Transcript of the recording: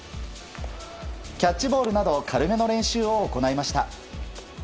キャッチボールなど軽めの練習を行いました。